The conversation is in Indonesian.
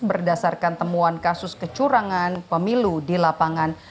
berdasarkan temuan kasus kecurangan pemilu di lapangan